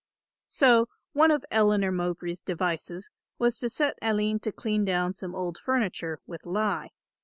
So one of Eleanor Mowbray's devices was to set Aline to clean down some old furniture with lye.